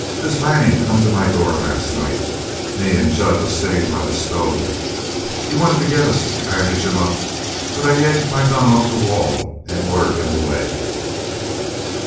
This Lanning come to my door last night. Me and Jud was sittin' by the stove. He wanted to get us to bandage him up, but I yanked my gun off'n the wall and ordered him away."